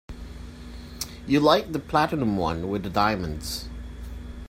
You liked the platinum one with the diamonds.